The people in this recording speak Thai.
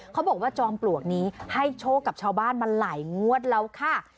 เขาบอกว่าจอมปลวกนี้ให้โชคกับชาวบ้านมาหลายงวดแล้วค่ะ